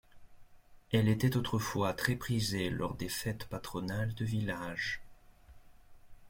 Elle était autrefois très prisée lors des fêtes patronales de village.